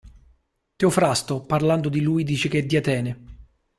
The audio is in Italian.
Teofrasto, parlando di lui dice che è di Atene.